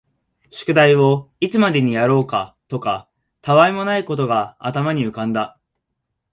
宿題をいつまでにやろうかとか、他愛のないことが頭に浮んだ